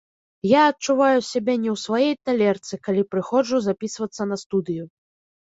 Я адчуваю сябе не ў сваёй талерцы, калі прыходжу запісвацца на студыю.